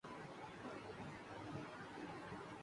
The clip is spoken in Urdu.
انہوں نے ایک نعرے کی طرح اسے بیان کیا